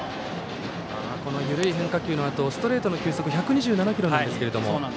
この緩い変化球のあとストレートの球速は１２７キロなんですが。